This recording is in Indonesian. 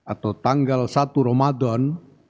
atau tanggal satu ramadan